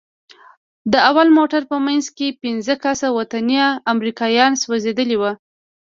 د اول موټر په منځ کښې پينځه کسه وطني امريکايان سوځېدلي وو.